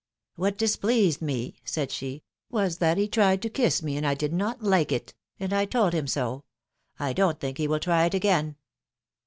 What displeased me," said she, was that he tried to kiss me, and I did not like it; and I told him so. I don't think he will try it again."